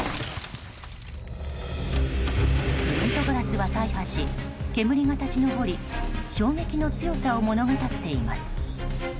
フロントガラスは大破し煙が立ち上り衝撃の強さを物語っています。